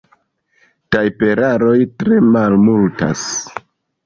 Tajperaroj tre malmultas.